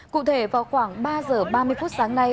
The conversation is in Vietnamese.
cụ thể vào khoảng ba giờ ba mươi phút sáng nay